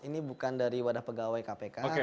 ini bukan dari wadah pegawai kpk secara organisasi bukan ya